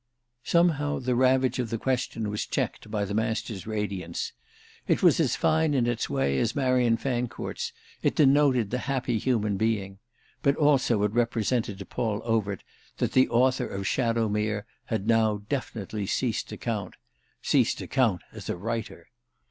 Somehow the ravage of the question was checked by the Master's radiance. It was as fine in its way as Marian Fancourt's, it denoted the happy human being; but also it represented to Paul Overt that the author of "Shadowmere" had now definitely ceased to count—ceased to count as a writer.